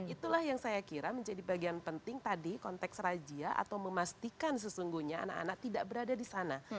itulah yang saya kira menjadi bagian penting tadi konteks rajia atau memastikan sesungguhnya anak anak tidak berada di sana